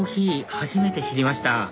初めて知りました